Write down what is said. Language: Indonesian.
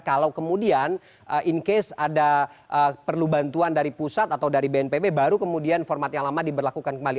kalau kemudian in case ada perlu bantuan dari pusat atau dari bnpb baru kemudian format yang lama diberlakukan kembali